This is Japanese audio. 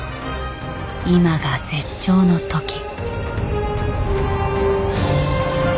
今が絶頂の時。